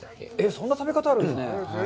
そんな食べ方、あるんですか？